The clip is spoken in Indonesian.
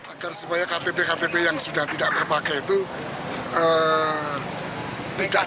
agar supaya ktp ktp yang sudah tidak terpakai itu tidak